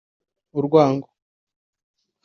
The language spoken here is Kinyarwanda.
urwango